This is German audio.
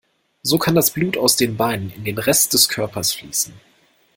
So kann das Blut aus den Beinen in den Rest des Körpers fließen.